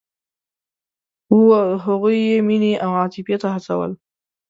هغوی یې مینې او عاطفې ته هڅول.